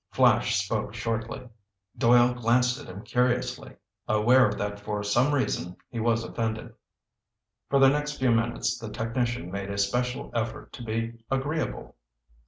Flash spoke shortly. Doyle glanced at him curiously, aware that for some reason he was offended. For the next few minutes the technician made a special effort to be agreeable.